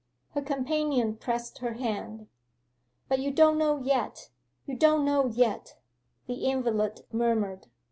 Her companion pressed her hand. 'But you don't know yet you don't know yet,' the invalid murmured.